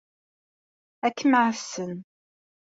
Ad kem-ɛassen.